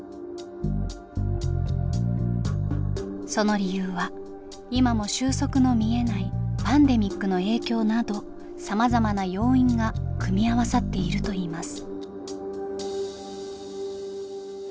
その理由は今も収束の見えないパンデミックの影響などさまざまな要因が組み合わさっているといいます。